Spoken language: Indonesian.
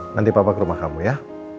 nanti papa ke rumah kamu ya